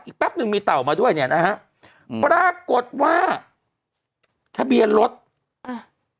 แป๊บนึงมีเต่ามาด้วยเนี่ยนะฮะอืมปรากฏว่าทะเบียนรถอ่ะ